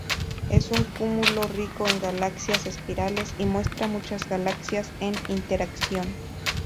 Es un cúmulo rico en galaxias espirales y muestra muchas galaxias en interacción.